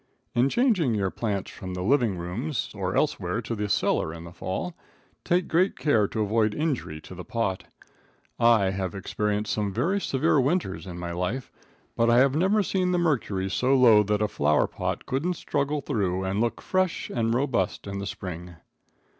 In changing your plants from the living rooms or elsewhere to the cellar in the fall, take great care to avoid injury to the pot. I have experienced some very severe winters in my life, but I have never seen the mercury so low that a flowerpot couldn't struggle through and look fresh and robust in the spring.